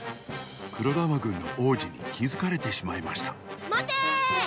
黒玉軍の王子にきづかれてしまいましたまてーー！